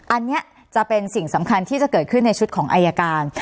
อันนี้จะเป็นสิ่งสำคัญที่จะเกิดขึ้นในชุดของอายการ